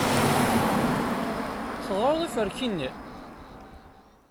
Teɣriḍ iferki-nni?